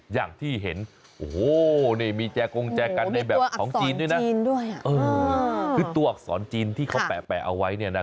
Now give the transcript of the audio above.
อย่างที่เห็นโอ้โฮนี่มีแจกงแจกัน